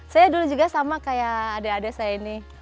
saya dulu juga sama kayak adik adik saya ini